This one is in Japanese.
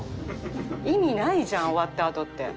意味ないじゃん終わったあとって。